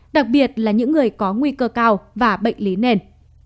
đặc biệt là những người có nguy cơ cao và bệnh lý nền